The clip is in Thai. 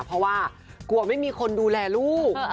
เพราะว่ากลัวไม่มีคนดูแลลูก